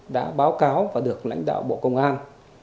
đã báo cáo và được lãnh đạo bộ công an